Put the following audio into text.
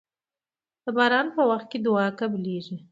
د باران په وخت کې دعا قبليږي.